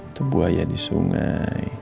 itu buaya di sungai